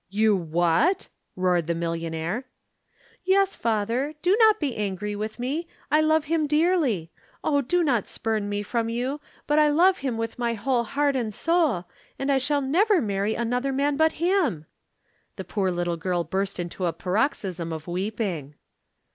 "You what?" roared the millionaire. "Yes, father, do not be angry with me. I love him dearly. Oh, do not spurn me from you, but I love him with my whole heart and soul, and I shall never marry any other man but him." The poor little girl burst into a paroxysm of weeping.